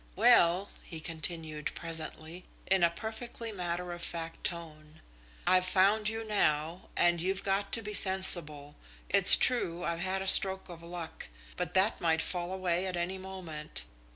"Well," he continued presently, in a perfectly matter of fact tone, "I've found you now, and you've got to be sensible. It's true I've had a stroke of luck, but that might fall away at any moment.